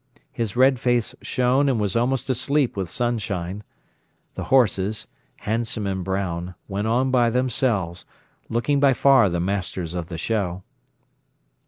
His red face shone and was almost asleep with sunshine. The horses, handsome and brown, went on by themselves, looking by far the masters of the show.